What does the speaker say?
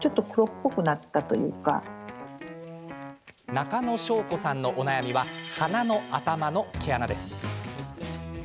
中野祥子さんのお悩みは鼻の頭の毛穴。